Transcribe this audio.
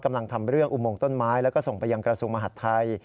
กำลังทำเรื่องอุโมงต้นไม้แล้วก็ส่งไปยังกระทรวงมหาดไทย